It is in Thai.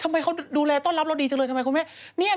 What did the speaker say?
ทำไมเขาดูแลต้อนรับเราดีจังเลยทำไมคุณแม่